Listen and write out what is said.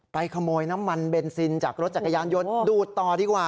ขโมยน้ำมันเบนซินจากรถจักรยานยนต์ดูดต่อดีกว่า